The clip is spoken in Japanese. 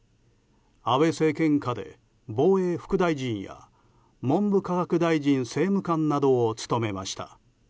安倍政権下で、防衛副大臣や文部科学大臣政務官などを務めました。